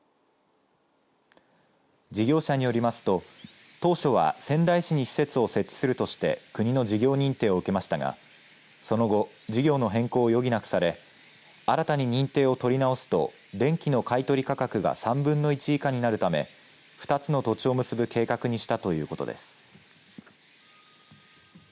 事業者によりますと、当初は仙台市に施設を設置するとして国の事業認定を受けましたがその後事業の変更を余儀なくされ新たに認定を取り直すと電気の買い取り価格が３分の１以下になるため２つの土地を結ぶ計画にしたということです。